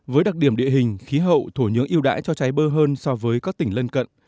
với đặc điểm địa hình khí hậu thổ nhưỡng yêu đãi cho trái bơ hơn so với các tỉnh lân cận